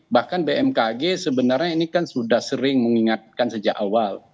bahkan bmkg sebenarnya ini kan sudah sering mengingatkan sejak awal